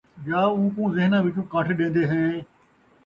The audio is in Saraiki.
یا اوکوں ذہناں وِچوں کڈھ ݙیندے ہَیں،